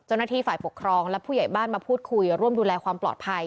เจ้าหน้าที่ฝ่ายปกครองและผู้ใหญ่บ้านมาพูดคุยร่วมดูแลความปลอดภัย